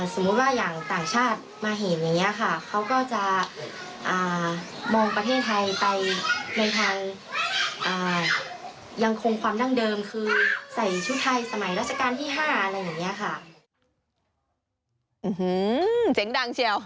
เสียงดังแย่๊ว